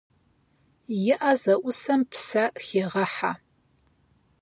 И ӏэ зэӏусэм псэ хегъэхьэ.